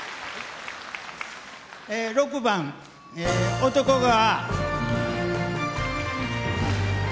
６番「男川」。